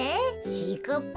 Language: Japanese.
ちぃかっぱ？